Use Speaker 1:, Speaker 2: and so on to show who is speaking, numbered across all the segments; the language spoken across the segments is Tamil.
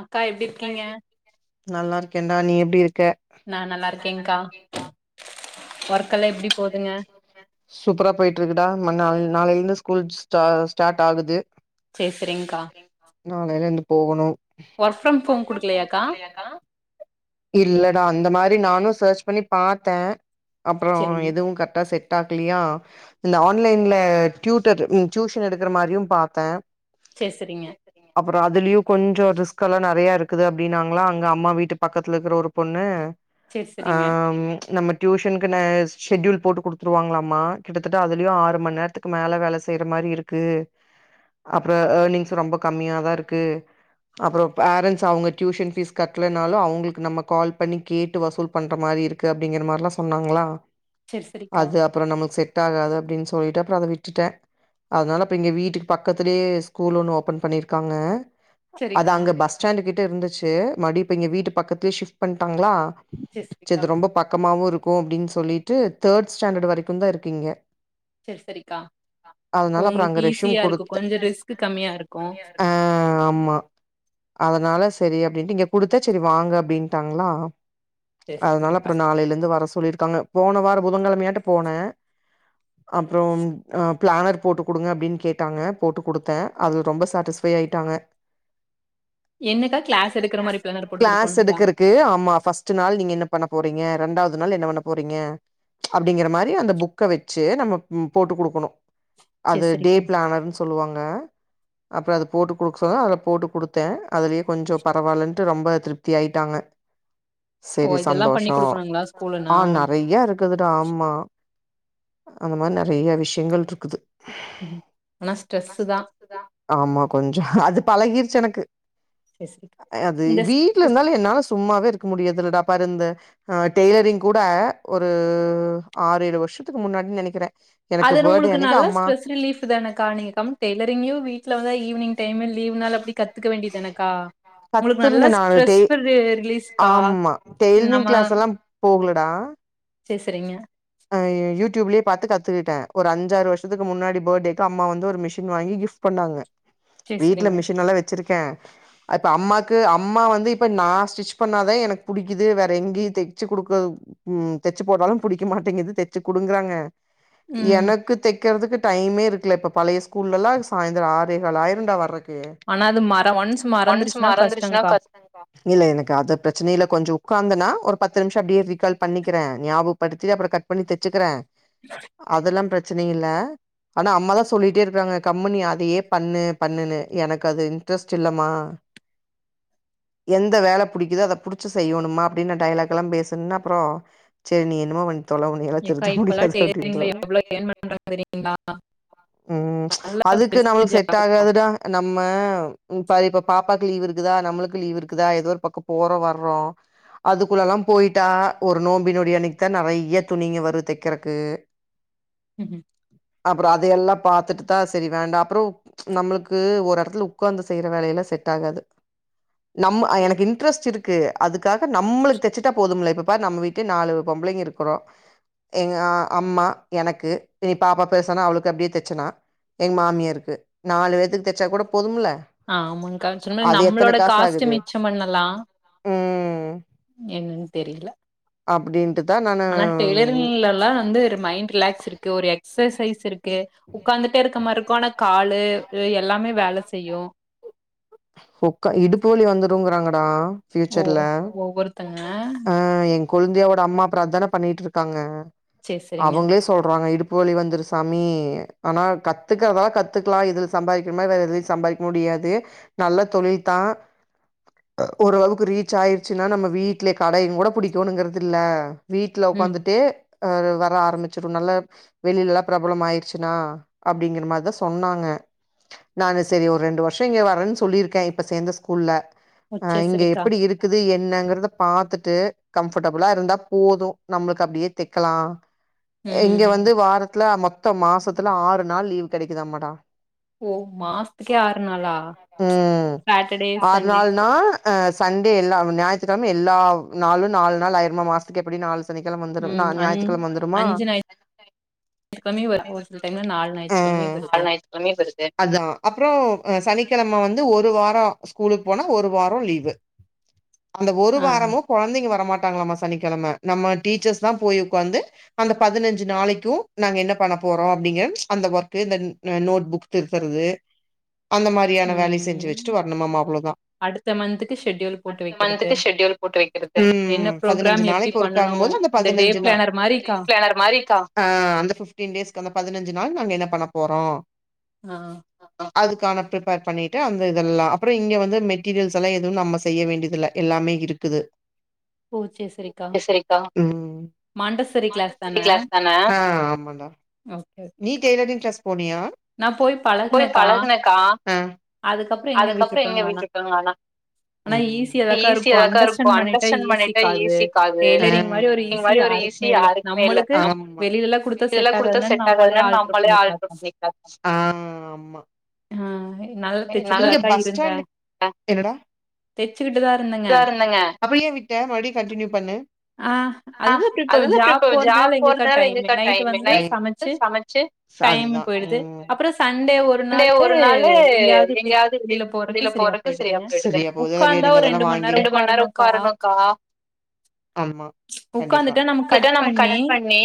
Speaker 1: அக்கா எப்டி இர்கீங்க
Speaker 2: நல்லா இருக்கேன்டா நீ எப்டி இருக்க
Speaker 1: நா நல்லா இருக்கேங்க்கா ஒர்க்கல்லா எப்டி போதுங்க
Speaker 2: சூப்பரா போயிட்ருக்குடா நாள் நாளையிலந்து ஸ்கூல் ஸ்டா ஸ்டார்ட் ஆகுது [unintelligible] நாளை லெந்து போகொணு
Speaker 1: ஒர் ஃப்ரம் ஹோம் குடுக்கலையாக்கா
Speaker 2: இல்லடா அந்த மாரி நானும் சர்ச் பண்ணி பாத்த அப்பற எதுவு கர்ட்டா செட் டாக்லியா ந்த இல்ல ஆன்லைன்ல டியூட்டர் ம் டியூஷன் எடுக்கற மாரியு பாத்தெ
Speaker 1: செர் செரிங்க
Speaker 2: அப்பற அதுலியு கொஞ்சொ ரிஸ்கல்லா நெறைய இருக்குது அப்டின்னாங்ளா அங்க அம்மா வீட்டுப் பக்கத்துல இருக்குற ஒரு பொண்ணு அம் நம்ம டியூஷன் கன்னு ஷெடியூல் போட்டு குடுத்துருவாங்களாமா கிட்டத்தட்ட அதுலயு ஆறு மணி நேரத்துக்கு மேல வேல செய்ற மாரி இருக் கு அப்புற யேனிங்ஸ் ரொம்ப கம்மியாதாருக்கு அப்புற பேரன்ட்ஸ் அவுங்க டியூஷன் ஃபீஸ் கட்டலனாலு அவுங்ளுக்கு நம்ம கால் பண்ணி கேட்டு வசூல் பண்ற மாரி இருக்கு அப்டிங்கிற மார்ல்லா சொன்னாங்களா அது அப் அப்புற நம்மல்க் செட் ஆகாது அப்டின் சொல்லிட்டு அப்புற அத விட்டுட்ட அதால இப்ப எங்க வீட்டுக் பக்கத்துலே ஸ்கூல் ஒன்னு ஓப்பன் பண்ணியிருக்காங்க அது அங்க பஸ் ஸ்டாண்டு கிட்ட இருந்துச்சு மடி இப்ப இங்க வீட்டு பக்கத்லே ஷிஃப் பண்ட்டாங்களா ச இது ரொம்ப பக்கமாவு இருக்கு அப்டின் சொல்லிட்டு தேர்ட் ஸ்டாண்டர்ட் வரிக்குதா இருக்கு இங்க அதனால அப்புறோ அங்க ரேஷ்யும் குடுத்துட்ட ஆ ஆமா அதனால செரி அப்டின்ட்டு இங்க குடுத்தே செரி வாங்க அப்டின்ட்டாங்ளா அதனால அப்புறோ நாளைல இந்து வர சொல்லிருக்காங்க போன வாரோ புதன்கழமையாட்டோ போன அப்புறோ ஆ ப்ளானர் போட்டு குடுங்க அப்டின் கேட்டாங்க போட்டு குடுத்தே அது ரொம்ப சாட்டிஸ்ஃபை ஆய்ட்டாங்க க்ளாஸ் எடுக்கறதுக்கு ஆமா ஃபஸ்ட்டு நாள் நீங்க என்ன பண்ண போறீங்க ரெண்டவ் அதுனால என்ன பண்ண போறீங்க அப்டிங்கறமாரி அந்த புக்க வெச்சு நம்ம போட்டு குடுக்கணு அது டே பிளானர்ன் சொல்லுவாங்க அப்புறோ அது போட்டு குடுக்கசொன்னா அதுல போட்டு குடுத்தே அதுலயே கொஞ்சோ பரவாலன்ட்டு ரொம்ப திருப்தி ஆய்ட்டாங்க சேரி சந்தோஷோ ஆ நறைய இருக்குதுடா ஆமா அந்த மாரி நறைய விஷ்யங்கள் இருக்குது ஆமா கொஞ்சோ அது பழகிருச்சு எனக்கு அது வீ வீட்ல இருந்தாலே என்னால சும்மாவே இருக்க முடியாதுல்லடா பாரு இந்த ஆ டெய்லரிங்கூட ஒரு ஆறு ஏழு வர்ஷத்துக்கு முன்னாடி நெனைக்கிறே
Speaker 1: அதுல உங்களுக்கு நல்லா ஸ்ட்ரெஸ் ரிலீஃப் கரெக்டுதானக்கா நீங்க கம்முன் டெய்லரிங்கே வீட்ல வந்து ஈவினிங் டைமு லீவ் நாள்ல அப்டி கத்துக்க வேண்டியத்தானக்கா
Speaker 2: பத்து இருந்த நாலு ட ஆமா டெய்லரிங் க்ளாஸலா போகலடா
Speaker 1: சேரி சேரிங்க
Speaker 2: ஆ யூடியூப்லயே பாத்து கத்துக்குட்டே ஒரு அஞ்சாறு வர்ஷத்துக்கு முன்னாடி பர்த்டேக்கு அம்மா வந்து ஒரு மிஷின் வாங்கி கிஃப்ட் பண்ணாங்க வீட்ல மிஷின் எல்லா வெச்சிருக்கே இப்ப அம்மாக்கு அம்மா வந்து இப்ப நா ஸ்டிச் பண்ணாதா எனக்கு புடிக்குது வேற எங்கியு தெச்சு குடுக்க ம் தெச்சு போடாலு புடிக்க மாட்டேங்குது தெச்சு குடுங்கறாங்க எனக்கு தெச் தெக்கிறதுக்கு டைமே இருக்குல இப்ப பழைய ஸ்கூல்லலா சாய்ந்தரோ ஆறேகாள் ஆய்ருண்டா வர்றக்கே ஒன்ஸ் மறந்துருச்சுன்னா கஸ்டோ இல்ல எனக்கு அது ப்ரச்சன இல்ல கொஞ்சோ உக்காந்தனா ஒரு பத்து நிம்ஷோ அப்டியே ரீகால் பண்ணிக்கிறே ஞாபக் படுத்திட்டு அப்பறோ கட் பண்ணி தெச்சுக்கிறே
Speaker 1: [inaudible]
Speaker 2: அதெல்லா ப்ரச்சனை இல்ல ஆனா அம்மாதா சொல்லிட்டே இருக்காங்க கம்முன் நீ அதையே பண்ணு பண்ணுன்னு எனக்கு அது இன்ட்ரெஸ்ட் இல்லமா [inaudible] எந்த வேல புடிக்கிதோ அத புடிச்சு செய்யோணுமா அப்டின் நா டைலாக்லா பேசன்னா அப்புறோ செரி நீ என்னமோ பண்ட் தொல உன்னிய என்னால திருத்த முடியாது அப்டின்று ம் அதுக்கு நம்மளுக்கு செட் ஆகாதுடா நம்ம இப்ப இப்ப பாப்பாக்கு லீவ் இருக்குதா நம்மளுக்கு லீவ் இருக்குதா எதோ ஒரு பக்கோ போறோ வர்றோ அதுக்குள்ளலா போய்ட்டா ஒரு நோம்பிநோடி அன்னிக் நறைய துணிங்க வரு தெக்கறக்கு
Speaker 1: ம் ம்
Speaker 2: அப்புறோ அதையெல்லா பாத்துட்டுதா செரி வேண்டா அப்புறோ நம்மளுக்கு ஒரு எடத்துல உக்காந்து செய்யற வேலையெல்லா செட் ஆகாது நம் எனக்கு இன்ட்ரெஸ்ட் இருக்கு அதுக்காக நம்மளுக்கு தச்சுட்டா போதும்ல இப்ப பாரு நம்ம வீட்லே நாலு பொம்ளைங்க இருக்கறோ எங்க அம்மா எனக்கு இனி பாப்பா பெர்சானா அவளுக்கு அப்டியே தெச்சுனா எங்க மாமியார்க்கு நாலு பேத்துக்கு தெச்சா கூட போதும்ல
Speaker 1: ஆ ஆமாங் கா ஆக்சுவ்லி நம்ளோட காஸ்ட்டு மிச்சம் பண்ணலா
Speaker 2: ம்
Speaker 1: என்னன் தெரில
Speaker 2: அப்டின்
Speaker 1: ஆனா டெய்லரிங்ல எல்லா வந்து ஒரு மைண்ட் ரிலாக்ஸ் இருக்கு ஒரு எக்சசைஸ் இருக் கே உக்காந்துட்டே இருக்க மார்ரிக்கோ ஆன காலூ எல்லாமே வேல செய்யு
Speaker 2: உக்கா இடுப்பு வலி வந்துருங்கறாங்கடா ஃபியூச்சர்ல ஆ கொழுந்தியாவோட அம்மா அப்றோ அதான பண்ணிக்ட்டு இருக்காங்க அவங்ளே சொல்றாங்க இடுப்பு வலி வந்துரு சாமி ஆனா கத்துக்கனா கத்துக்லா இதுல சம்பாரிக்கிற மாரி வேற எதுலையு சம்பாரிக்க முடியாது நல்ல தொழில் தா ஒரு அவுக்கு ரீச் ஆயிருச்சுன்னா நம்ம வீட்ல கடையும் கூட புடிக்கணுங்கறது இல்ல வீட்ல உக்காந்துட்டே அ வர ஆரம்பிச்சிடு நல்லா வெளிலல்லா பிரபலம் ஆயிருச்சு னா அப்டிங்கற மாரிதா சொன்னாங்க நானு சரி ஒரு ரெண்டு வர்ஷோ இங்க வரன் சொல்லிருக்கே இப்ப சேந்த ஸ்கூல்ல ஆ இங்க எப்படி இருக் க்குது என்னங்கறத பாத்துட்டு கம்ஃபர்டபுளா இருந்தா போது நம்ளுக்கு அப்டியே தெக்கலா இங்க வந்து வாரத்துல மொத்தம் மாசத்துல ஆறு நாள் லீவ் கெடைக்குதமடா ம் ஆறு நாள்னா அ சண்டே எல்லா அந் ஞாயித்திக்கெழ்ம எல்லா நாளும் நால் நாள் ஆயிரமா மாசத்துக்கு எப்படி நால் சனிக்கெழம வந்துரும் நா ஞாயித்துக்கெழம வந்துருமா
Speaker 1: சனி வருது ஒரு சில டைம்ல நாலு ஞாயித்துக்கெழமே வருது
Speaker 2: திங்கள் வருது அதா அப்றோ சனிக்கெழம வந்து ஒரு வாரோ ஸ்கூலுக்கு போன ஒரு வாரோ லீவு அந்த ஒரு வாரமு கொழந்தைங்க வரமாட்டாங்ளாமா சனிக்கெழம நம்ம டீச்சர்ஸ் தா போய் உக்காந்து அந்த பதினஞ்சு நாளைக்கும் நாங்க என்ன பண்ண போறோம் அப்டிங்கம்ஸ் அந்த ஒர்க்கு இந்த நோட் புக் திர்த்தறது அந்த மாரியான வேலய செஞ்சு வச்சிட்டு வரணுமமா அவ்ளோ தா அடுத்த மந்த்துக்கு ஷெட்யூல் போட்டு வெக்கறது ம் பதினஞ்சு நாளைக்கு ஒருக்கான்னு போது அந்த பதினஞ்சு நாள் மாரிக்கா அ ஃபிப்ட்டின் டேஸ்க்கு அந்த பதினஞ்சு நாள் நாங்க என்ன பண்ண போறோ
Speaker 1: ஆ
Speaker 2: அதுக்கான பிரிப்பர் பண்ணிட்டு அந்த இதெல்லா அப்புறோ இங்க வந்து மெட்டீரியல்ஸ் எல்லா எதுவும் நம்ம செய்ய வேண்டிதுல்ல எல்லாமே இருக்குது செரிங்க்கா ம் ஆன்ட்டோஃபெடி கிளாஸ் தானே ஆ ஆமாண்டா நீ டெய்லரிங் கிளாஸ் போனியா நா போய் பழகுனக்கா ம் அதுக்கப்றோ எங்க வீட்டுக்குள்ளன ம் ஈஸியா தாக்கா இருக்கோ அண்டர்ஸ்டண்ட் பண்ணிட்டா ஈஸிக்கா அது இந் மாரி ஒரு ஈஸி தி யாருக்குமே இல்ல வெளி எல்லா குடுத்த செட் ஆகாதுனு நம்பளே ஆல்ட்டர் ஆம் ஆமா நீங்க பஸ் ஸ்டாண்ட்டு என்னடா
Speaker 1: தெச்சு உட்டு தா
Speaker 2: பெறவ் என்னவே அப்ப ஏன் விட்ட மறுபடியு கன்ட்டினியூ பண்ணு ஆ அதுலா கிட்போ ஜாப் போர்றுதால எங்கக்கா டைமிங்னை சதுதா அப்ற சண்டே ஒரு நாளு எங்யாவ்து டீப் வெளில போற சரியா போது வேணுங்கதெல்லா வாங்கி ஆமா கண்டிப்பா ம்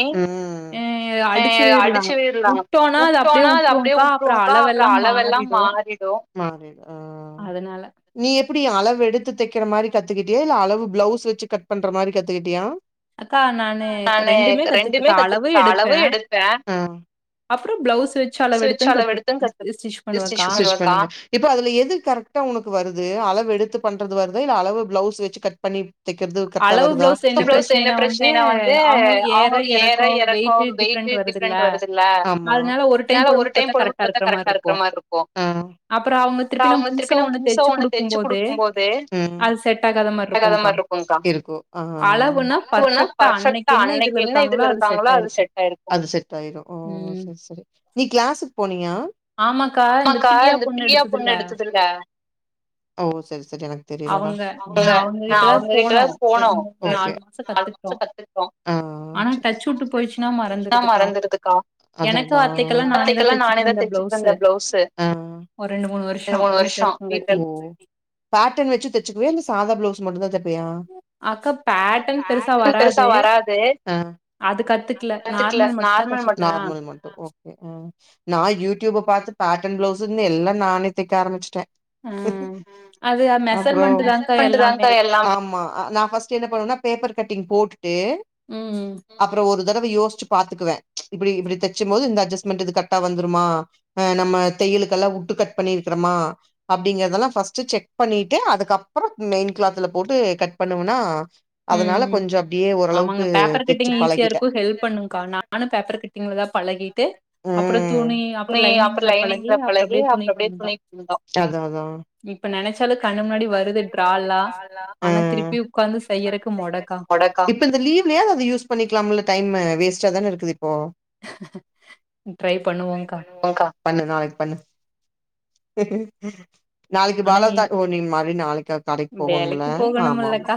Speaker 1: அடிச்சு விட்லாமா உட்டான்
Speaker 2: வுட்டோனா அது அப்ட்யே விட்ருவோன்க்கா அப்ற அளவெல்லா மாறிடு நீ எப்புடி அளவு எடுத்து தெக்கற மாரி கத்துக்குட்டியா இல்ல அளவு ப்ளவ்ஸ் வச்சி கட் பண்ற மாரி கத்துக்கிட்டியா ஹா ஆனேக் ரெண்டுமே கத்துட்ருக்க அளவு எடுப்பே [inaudible] ப்ளவ்ஸ் வச்சு அளவெடுத்து கத்து து ஸ்டிச் பண்ணலா இப்ப அதுல எது கரக்ட்டா உனக் வருது அளவு எடுத்து பண்றது வருதா இல்ல அளவு ப்ளவ்ஸ் வெச்சி கட் பண்ணிப் ஃபஸ்ட்டு ப்ளவ்ஸ்ல என்ன ப்ரச்னைன்னா வந்து அவ்ங்கள் ஏற எறக்கோ வெய்ட்டு டு டிப்ரண்ட் வருதுல்ல அத்னால ஒரு டைம் போடும்போத் பாத்தா கரக்ட்டா இருக்ற மாற் ருக்கு அவ்ங்க திருப்பி நம் புன்சா ஒண்ணு தெச்சு குடுக்கும்போதே [inaudible] மார் ரு க அளவுல்லா பர்ஃபெக்ட்டா அன்னைக் என்ன இதுங் இருக்காங்களோ அது செட் ஆய்ரு அது செட்டாய்ரோ ஓ சர் சரி நீ க்ளாஸுக் போனியா ஆமாகா இந்த பிரியா பொண்ணு எடுத்ததுல்ல ஓ சரி சரி எனக் தெரிலடா ம் ஓகே ஆஹ் ச்செர் சே மறந்துறுதுக்கா எனக்கும் ஆசைக்கெல்லா நானேதா தெச்சு தந்த ப்ளவ்ஸ்ஸு ரெண்டுநமூ வருஷ்ஷோ வீட்ல பேட்டன் வச்சு தச்சுக்வியா இல்ல இந்தஸ் சாதா ப்ளவ்ஸ் மட்டுதா தெப்பியா ம்
Speaker 1: அது கத்துக்
Speaker 2: கத்துக்ல நார்மல் மட் ஓகே ம் நா யூட்யூப பாத்து பேட்டன் பிளவ்ஸுந்து எல்லா நானே தெக்க ஆரம்பிச்சுட்டே ம் அப்பறோ மெஷர்மன்ட்டு தாங்கா எல்லாம் என்ன பண்ணுனா பேப்பர் கட்டிங் போட்டுட்டே அப்ற ஒரு தடவ யோச் ச்சு பாத்துக்குவே இப்டி இப்டி தெச்சு மோது இந்த அஜ்ஜஸ்மண்ட்டு இது கர்ட்டா வந்துருமா அ நம்ம தெய்யுலுகெல்லா உட்டு கட் பண்ணிர்க்றமா அப்படிங்கதெல்லா ஃபஸ்ட்டு செக் பண்ணிட்டு அதுக்கப்பறோ மெய்ன் க்ளாத்ல போட்டு கட் பண்ணுவனா அதனால கொஞ்ச அப்டியே ஓரளவுக்கு தெச்சு பழகிட்ட
Speaker 1: பண்ணுங்க்கா நானு பேப்பர் கட்டிங்ல தா பழகி ட்டு அப்ற தூணி அப்ற லைனிங்ல பழகி அப்ற் அப்டே துணிக் வந்தோ இப்ப நனைச்சாலு கண்ணு முன்னாடி வருது ட்ரால்லா ஆனா திருப்பி உக்காந்துஸ்
Speaker 2: இப்ப இந்த லீவ்லியாவ்து அத யூஸ் பண்ணிக்லாம்முல்ல டைம்மு வேஸ்ட்டா தான இருக்குது இப்போ ட்ரை பண்ணுவோ கா பண்ணு நாளைக் பண்ணு நாளைக்கு பாலாவ் த்தா ஓ நீ மாரி நாளைக்கா கடைக் போகணும்முல்ல ஆமா ஆமா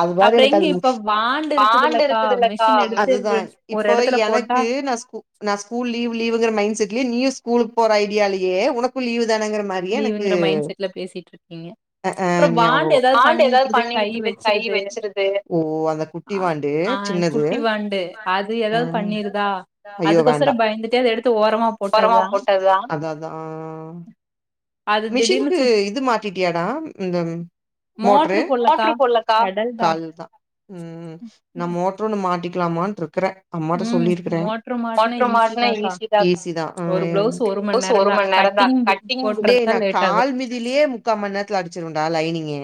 Speaker 2: அது மாரி எனக்கதுன் அதுதா இப்போ எனக்கு நா ஸ்கூ நா ஸ்கூல் லீவ் லீவுங்கற மைண்ட செட்லியே நீயு ஸ்கூலுக் போற ஐடியாலியே உனக்கு லீவு தானங்கறப் மரியெனக்கு
Speaker 1: பேசிட்ருக்கீங்க
Speaker 2: அஆ ஞாபகோ ஆண்டு ஏதாவ்து பண்ணிவிட்ருது கை வெச்சிருது ஓ அந்த குட் குட்டிவாண்டு ஆ ஐயோ வேண்டா அதா அதா ஆ
Speaker 1: அது திடீர்னு
Speaker 2: க்கு இது மாட்டிட்யாடா இந்த மோட்ரு போட்லக்கா மோட்ரு ஒன்னு மாட்டிக்லாமான்ட்ருக்குறே அம்மாட்ட சொல்லிருக்குறே ஈசிதா அ டே நா கால் மிதிலெயே முக்கா மந்நேர்த்ல அடுச்சுருவன்டா லைனிங்கே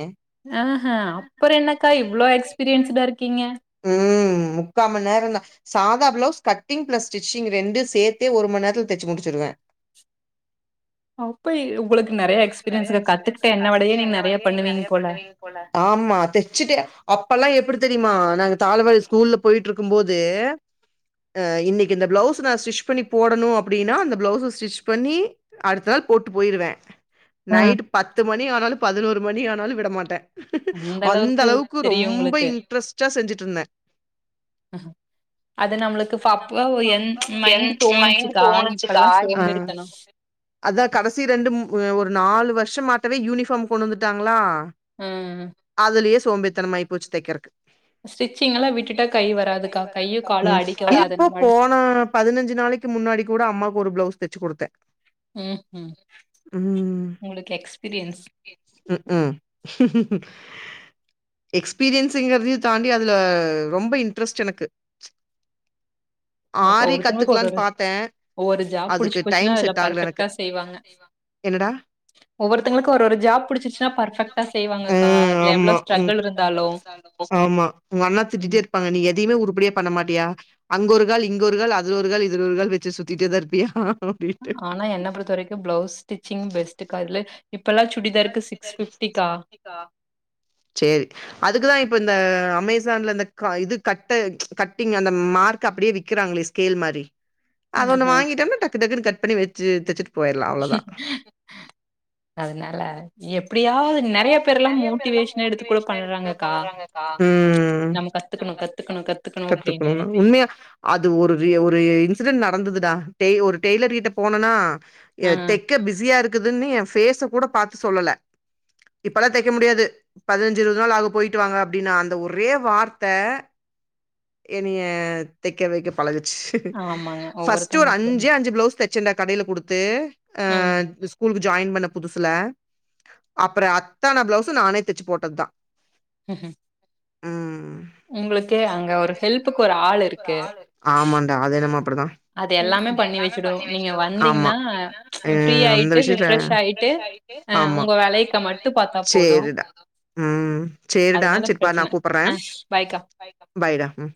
Speaker 1: அஹ அப்பறொ என்னக்கா இவ்ளோ எக்ஸ்பிரியன்ஸ்டா இருக்கீங்க
Speaker 2: ம் முக்கா மந்நேரந்தா சாதா பிளவ்ஸ் கட்டிங் பிளஸ் ஸ்டிச்சிங் ரெண்டு சேத்தே ஒரு மந்நேரத்ல தச்சு முடுச்சுருவே
Speaker 1: அப்பய் உங்களுக்கு நெறைய எக்ஸ்பீரியன்ஸ்க கத்துகிட்ட என்னவடையே நீங்க நெறைய பண்ணுவீங் போல
Speaker 2: ஆமா தச்சுட்டே அப்பெல்லா எப்புடி தெரியுமா நாங்க தாலவாடி ஸ்கூல்ல போயிட்டுருக்கு போது இன்னக்கி இந்த பிளவ்ஸ் நா ஸ்டிச் பண்ணி போடணு அப்டின்னா அந்த பிளவ்ஸ ஸ்டிச் பண்ணி அடுத்த நாள் போட்டு போயிருவே நைட் பத்து மணி ஆனாலு பதினோரு மணி ஆனாலு விட மாட்டே அந்த அளவுக்கு ரொம்ப இன்ட்ரெஸ்ட்டா செஞ்சுட்டு இருந்தே
Speaker 1: ஹா அது நம்மளுக்கு ஃபப்ப ஒ எ மைண்ட் தோணுச்சுக்கா இப்பெல்லா சோம்பேறித்தனொ
Speaker 2: அதா கடசி ரெண்டு மு ம் ஒரு நாலு வருஷமாட்டவே யூனிஃபார்ம் கொண்டு வந்துட்டாங்களா
Speaker 1: ம்
Speaker 2: அதுலயே சோம்பேறிரத்தனமாயி போச்சு தெக்கறக்கு இப்போ போன பதினஞ்சு நாளைக் க்கு முன்னாடி கூட அம்மாக்கு ஒரு பிளவ்ஸ் தச்சு கொடுத்தே
Speaker 1: ம்ம் உங்களுக் எக்ஸ்பிரியன்ஸ்
Speaker 2: க்கு எக்ஸ்பீரியன்ஸ்ஸுங்கற்து தாண்டி அதுல ரொம்ப இன்ட்ரெஸ்ட் எனக்கு ஆரி கத்துக்லான்னு பாத்தே அதுக்கு டைம் செட் ஆகல எனக்கு என்னடா ம் ஆமா ஆமா உங்க அண்ணா திட்டிட்டே இருப்பாங்க நீ எதையுமே உருப்படியா பண்ண மாட்டியா அங்க ஒரு கால் இங்க ஒரு கால் அதுல ஒரு கால் இதுல ஒரு கால் வச்சு சுத்திட்டே தா இருப்பியா
Speaker 1: ஆனா என்ன பொறுத்த வரைக்கு பிளவுஸ் ஸ்டிச்சிங் பெஸ்டுக்கா இதுல இப்பல்லா சுடிதார்க்கு சிக்ஸ் ஃபிப்டிக்கா
Speaker 2: சேரி அதுக்குதா இப்ப இந்த அமேசான்ல இந்த க இது கட்டெ கட்டிங் அந்த மார்க் அப்டியே விக்கிறாங்ளே கேல் மாறி அத ஒன்னு வாங்கிட்டம்னா டக்கு டக்குன்னு கட் பண்ணி வச்சு தச்சுட்
Speaker 1: அதனால எப்டியாவ்து நெறைய பேர்லா மோட்டிவேஷன் எடுத்து கூட பண்றாங்கக்கா நமக் கத்துக்கணு கத்துக்கணு கத்துக்கணு அப்டினு
Speaker 2: அது ஒரு ரிய ஒரு இன்சிடென்ட் நடந்ததுடா டெய் ஒரு டெய்லர் கிட்ட போனனா எ தெக் க்க பிஸியா இருக்குதுன்னு எ ஃபேஸ்ஸ கூட பாத்து சொல்லல இப்பலா தக்கெ முடியாது பதினஞ்சு இருவது நாள் ஆகு போயிட்டு வாங்க அப்டின்னா அந்த ஒரே வார்த்த என்னைய தைக்க வைக்க பழகுச்சு பர்ஸ்ட்டு ஒரு அஞ்சே அஞ்சு பிளவுஸ் தச் ச்சேண்டா கடைல குடுத்து அ ஸ்கூலுக்கு ஜாயின் பண்ண புதுசுல அப்பற அத்தன பிளவுஸு நானே தச்சு போட்டதா
Speaker 1: ம் ம்
Speaker 2: ம் ஆமான் டெ அதென்னமோ அப்டிதா ஆமா ம் அந்த விஷயத்துல ஆமா சேரிடா ம் சேரிடா சர் பாரு நா கூப்புறே பாய்டா ம்